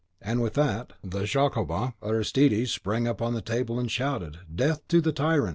With that the Jacobin Aristides sprang upon the table and shouted, "Death to the Tyrant!"